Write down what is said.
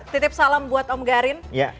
titip salam buat om garin